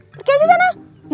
pergi aja sana